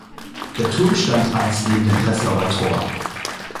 Der Turm stand einst neben dem Breslauer Tor.